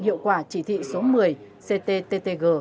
hiệu quả chỉ thị số một mươi ctttg